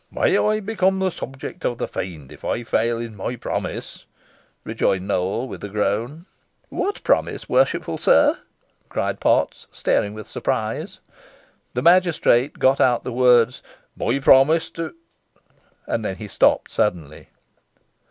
"'May I become the subject of the Fiend if I fail in my promise,'" rejoined Nowell, with a groan. "What promise, worshipful sir?" cried Potts, staring with surprise. The magistrate got out the words, "My promise to " and then he stopped suddenly.